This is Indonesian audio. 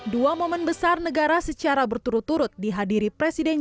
dua momen besar negara secara berturut turut dihadiri presiden